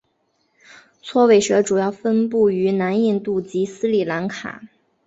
锉尾蛇主要分布于南印度及斯里兰卡。